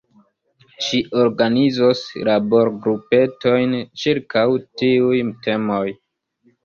Ŝi organizos laborgrupetojn ĉirkaŭ tiuj temoj.